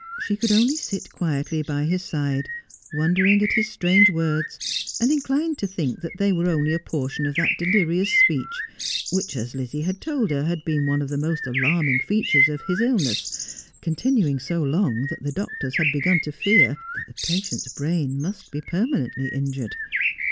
She could only sit quietly by his side, wondering at his strange words, and inclined to think that they were only a portion of that delirious speech which, as Lizzie had told her, had been one of the most alarming features of his illness, con tinuing so long that the doctors had begun to fear the patient's brain must be permanently injured.